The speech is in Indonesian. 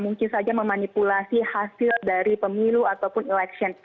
mungkin saja memanipulasi hasil dari pemilu ataupun election